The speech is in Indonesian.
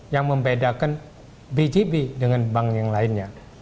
yang membedakan bjb dengan bank yang lainnya